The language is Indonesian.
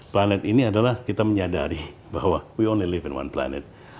planet ini adalah kita menyadari bahwa we only live in one planet